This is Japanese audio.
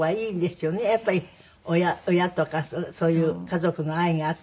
やっぱり親とかそういう家族の愛があって。